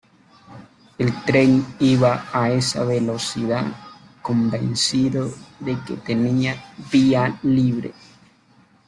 El tren iba a esa velocidad convencido de que tenía vía libre.